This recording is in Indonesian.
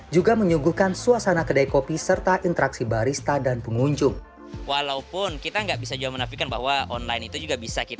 juga menyuguhkan suasana kedai kopi serta interaksi barista dan pengunjung